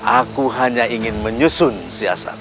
aku hanya ingin menyusun siasat